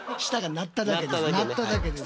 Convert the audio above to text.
鳴っただけです。